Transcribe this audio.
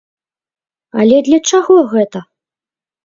Але для чаго гэта?